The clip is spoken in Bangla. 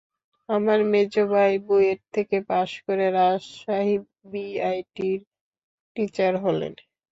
আমার মেজ ভাই বুয়েট থেকে পাস করে রাজশাহী বিআইটির টিচার হলেন।